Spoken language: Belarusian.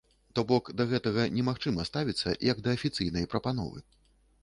То бок, да гэтага немагчыма ставіцца як да афіцыйнай прапановы.